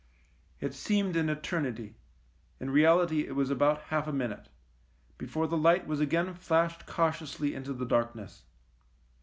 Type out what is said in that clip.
It seemed an eternity — in reality it was about half a minute — before the light was again flashed cautiously into the darkness.